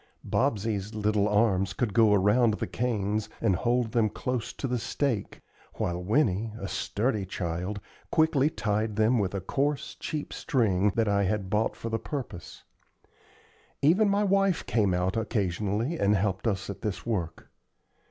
Bobsey's little arms could go around the canes and hold them close to the stake, while Winnie, a sturdy child, quickly tied them with a coarse, cheap string that I had bought for the purpose. Even my wife came out occasionally and helped us at this work.